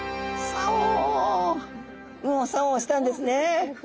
右往左往したんですね。